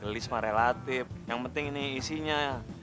gelis mah relatif yang penting nih isinya